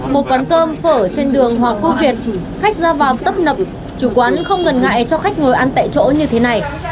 một quán cơm phở trên đường hoàng quốc việt khách ra vào tấp nập chủ quán không ngần ngại cho khách ngồi ăn tại chỗ như thế này